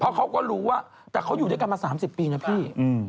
เพราะเขาก็รู้ว่าแต่เขาอยู่ด้วยกันมา๓๐ปีนะพี่